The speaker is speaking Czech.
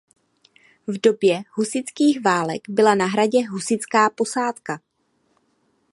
V době husitských válek byla na hradě husitská posádka.